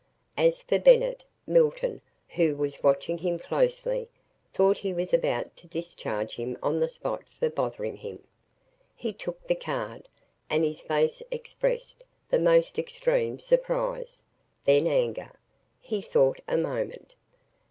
As for Bennett, Milton, who was watching him closely, thought he was about to discharge him on the spot for bothering him. He took the card, and his face expressed the most extreme surprise, then anger. He thought a moment.